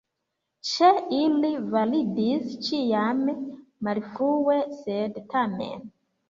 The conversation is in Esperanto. Ĉe ili validis ĉiam: "malfrue, sed tamen".